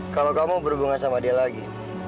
kalau kamu berhubungan sama dia lagi